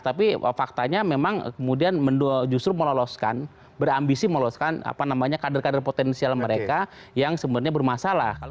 tapi faktanya memang kemudian justru meloloskan berambisi meloloskan kader kader potensial mereka yang sebenarnya bermasalah